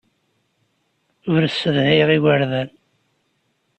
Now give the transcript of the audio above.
Ur ssedhayeɣ igerdan.